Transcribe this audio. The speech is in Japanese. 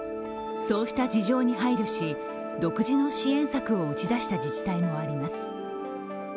そうした事情に配慮し、独自の支援策を打ち出した自治体もあります。